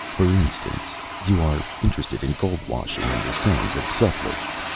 For instance, you are interested in gold washing in the sands of the Sutlej.